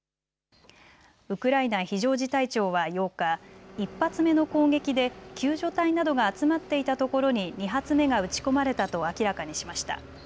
ウクライナ非常事態庁は８日、１発目の攻撃で救助隊などが集まっていたところに２発目が撃ち込まれたと明らかにしました。